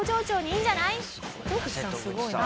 すごいな。